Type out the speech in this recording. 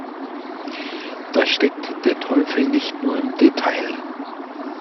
Da steckt der Teufel nicht nur im Detail.